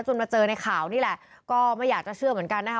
มาเจอในข่าวนี่แหละก็ไม่อยากจะเชื่อเหมือนกันนะคะ